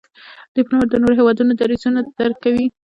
ډيپلومات د نورو هېوادونو دریځونه درک کوي.